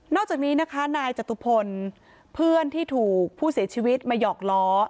อกจากนี้นะคะนายจตุพลเพื่อนที่ถูกผู้เสียชีวิตมาหยอกล้อ